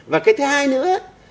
và cái thứ hai nữa